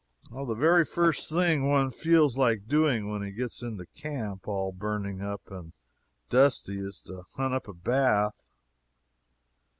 The very first thing one feels like doing when he gets into camp, all burning up and dusty, is to hunt up a bath.